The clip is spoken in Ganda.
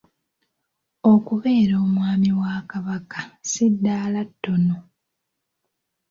Okubeera Omwami wa Kabaka ssi ddaala ttono.